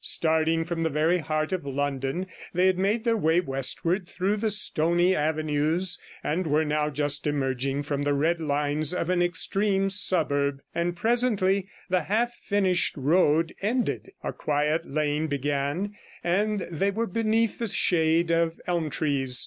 Starting from the very heart of London, they had made their way westward through the stony avenues, and were now just emerging from the red lines of an extreme suburb, and presently the half finished road ended, a quiet lane began, and they were beneath the shade of elm trees.